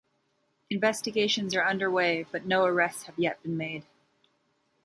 Investigations are under way, but no arrests have yet been made.